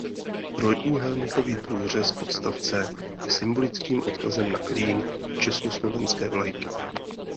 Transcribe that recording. Trojúhelníkový průřez podstavce je symbolickým odkazem na klín československé vlajky.